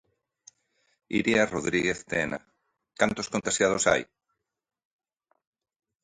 Iria Rodríguez Tena, cantos contaxiados hai?